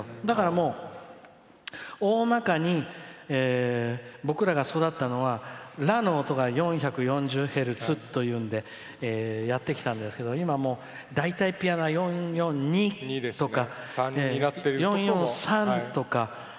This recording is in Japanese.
だから、大まかに僕らが育ったのはラの音が４４０ヘルツっていうんでやってきたんですけど今、大体ピアノは４４２とか４４３とか。